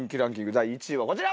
第１位はこちら！